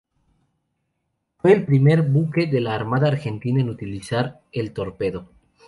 Fue el primer buque de la Armada Argentina en utilizar el torpedo.